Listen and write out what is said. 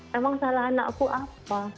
memang salah anakku apa